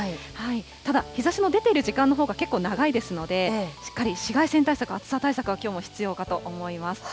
ただ、日ざしの出ている時間のほうが結構長いですので、しっかり紫外線対策、暑さ対策は、きょうも必要かと思います。